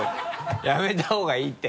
やめた方がいいって。